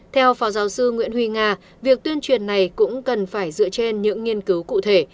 theo phó giáo sư nguyễn huy nga việc tuyên truyền này cũng cần phải dựa trên những nghiên cứu cụ thể